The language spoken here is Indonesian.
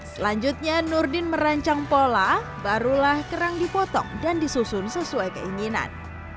selanjutnya nurdin merancang pola barulah kerang dipotong dan disusun sesuai keinginan